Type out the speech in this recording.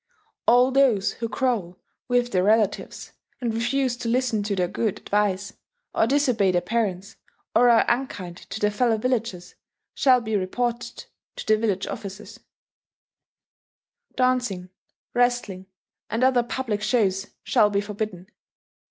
"All those who quarrel with their relatives, and refuse to listen to their good advice, or disobey their parents, or are unkind to their fellow villagers, shall be reported [to the village officers] ...." "Dancing, wrestling, and other public shows shall be forbidden.